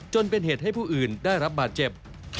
จนเป็นเหตุให้ผู้อื่นได้รับบาดเจ็บ